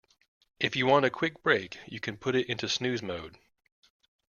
If you want a quick break you can put it into snooze mode.